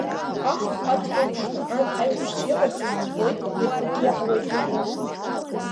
Аҳ иԥа дкылԥшны анҭ аиҳәшьцәа иҟарҵогьы ибоит, ирҳәогьы иаҳауеит уажәы.